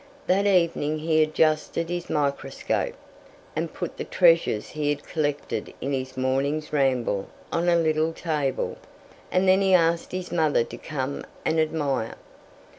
That evening he adjusted his microscope, and put the treasures he had collected in his morning's ramble on a little table; and then he asked his mother to come and admire.